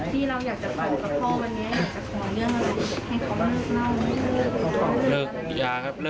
ที่เราอยากจะฝันกับพ่อวันนี้อยากจะขอเรื่องอะไรให้เขาเลิกเล่าไหม